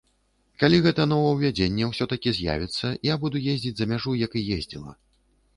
Калі гэта новаўвядзенне ўсё-такі з'явіцца, я буду ездзіць за мяжу, як і ездзіла.